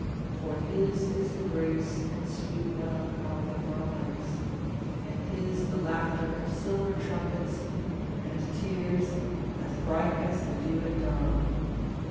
... For his is the grace and sweet melancholy of romance, and his the laughter of silver trumpets, and tears as bright as the dew at dawn.